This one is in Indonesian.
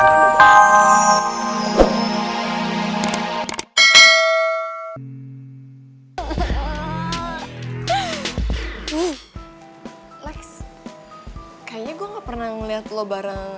kayaknya gue gak pernah melihat lo bareng